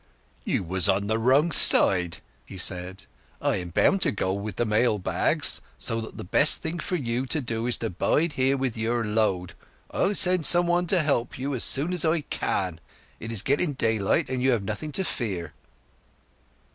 "You was on the wrong side," he said. "I am bound to go on with the mail bags, so that the best thing for you to do is bide here with your load. I'll send somebody to help you as soon as I can. It is getting daylight, and you have nothing to fear."